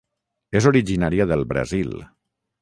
És originària del Brasil.